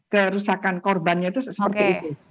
kerusakan korbannya itu seperti itu